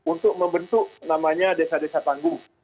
untuk membentuk namanya desa desa panggung